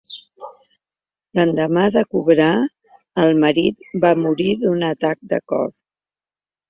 L'endemà de cobrar, el marit va morir d'un atac de cor.